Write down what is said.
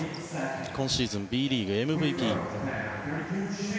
今シーズン、ＢリーグＭＶＰ。